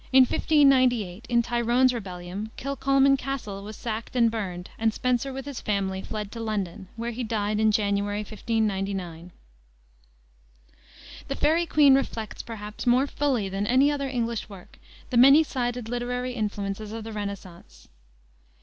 In 1598, in Tyrone's rebellion, Kilcolman Castle was sacked and burned, and Spenser, with his family, fled to London, where he died in January, 1599. The Faery Queene reflects, perhaps, more fully than any other English work, the many sided literary influences of the renascence.